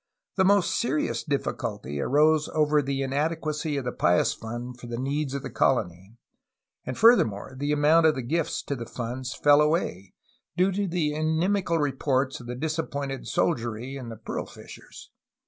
The most serious difiiculty arose over the inadequacy of the Pious Fund for the needs of the colony, and further more the amount of gifts to the fund fell away, due to the inimical reports of the disappointed soldiery and the pearl fishers.